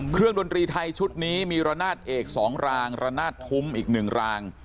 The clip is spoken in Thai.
ดนตรีไทยชุดนี้มีระนาดเอก๒รางระนาดทุ้มอีก๑ราง